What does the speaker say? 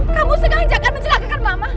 kamu sengaja mencelakakan mama